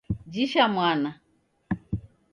Jisha mwana